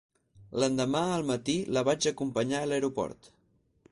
L'endemà al matí la vaig acompanyar a l'aeroport.